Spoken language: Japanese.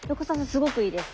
すごくいいです。